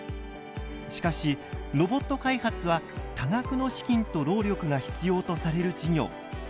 しかしロボット開発は多額の資金と労力が必要とされる事業。